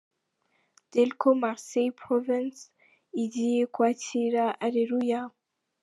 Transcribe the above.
Delko Marseille Province igiye kwakira Areruya.